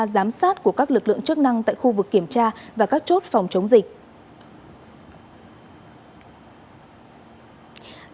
giám sát của các lực lượng chức năng tại khu vực kiểm tra và các chốt phòng chống dịch